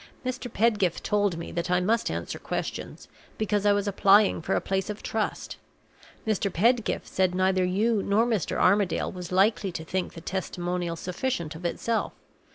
"Mr. Pedgift told me that I must answer questions, because I was applying for a place of trust. Mr. Pedgift said neither you nor Mr. Armadale was likely to think the testimonial sufficient of itself.